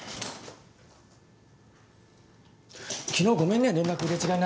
昨日ごめんね連絡入れ違いになっちゃって。